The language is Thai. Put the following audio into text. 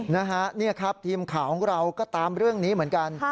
นะฮะนี่ครับทีมข่าวของเราก็ตามเรื่องนี้เหมือนกัน